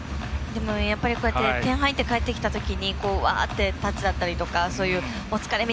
やっぱり、点が入って帰ってきたときにわー！ってタッチだったりそういうお疲れ！